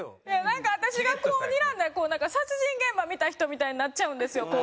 いやなんか私がこうにらんだら殺人現場見た人みたいになっちゃうんですよ